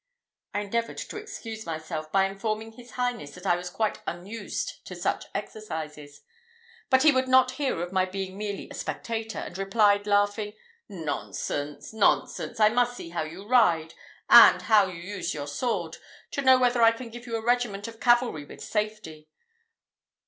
I endeavoured to excuse myself, by informing his highness that I was quite unused to such exercises; but he would not hear of my being merely a spectator, and replied, laughing "Nonsense, nonsense! I must see how you ride, and how you use your sword, to know whether I can give you a regiment of cavalry with safety.